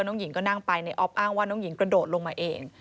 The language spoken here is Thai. น้องหญิงก็นั่งไปในออฟอ้างว่าน้องหญิงกระโดดลงมาเอง